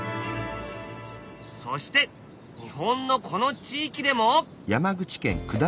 そして日本のこの地域でも？